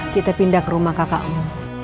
kita pindah ke rumah kakakmu